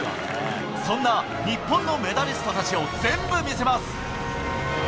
そんな日本のメダリストたちを全部見せます。